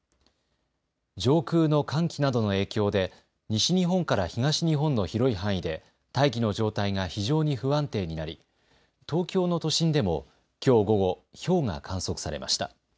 上空の寒気などの影響で西日本から東日本の広い範囲で大気の状態が非常に不安定になり東京の都心でもきょう午後、ひょうが観測されました。